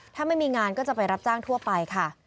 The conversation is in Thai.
ถ้าไม่มีงานก็จะไปรับจ้างทั่วไปค่ะ